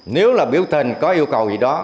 nếu là biểu tình có yêu cầu gì đó